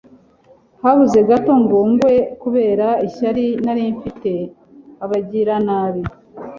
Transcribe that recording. habuze gato ngo ngwe; kubera ishyari nari mfitiye abagiranabi